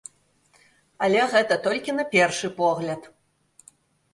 Але гэта толькі на першы погляд.